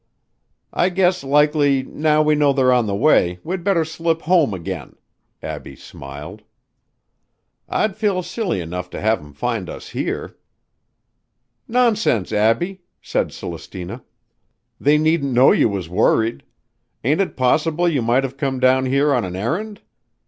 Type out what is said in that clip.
"I guess likely now we know they're on the way, we'd better slip home again," Abbie smiled. "I'd feel silly enough to have 'em find us here." "Nonsense, Abbie!" said Celestina. "They needn't know you was worried. Ain't it possible you might have come down here on an errand?